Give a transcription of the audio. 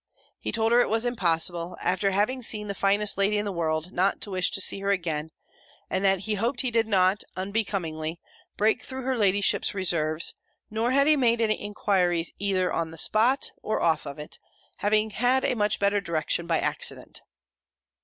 He told her it was impossible, after having seen the finest lady in the world, not to wish to see her again; and that he hoped he did not, unbecomingly, break through her ladyship's reserves: nor had he made any enquiries, either on the spot, or off it; having had a much better direction by accident.